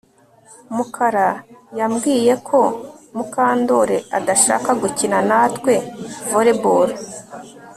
Mukara yambwiye ko Mukandoli adashaka gukina natwe volleyball